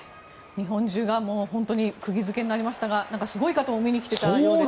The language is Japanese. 日本中が本当に釘付けになりましたがすごい方が見に来ていたんですね。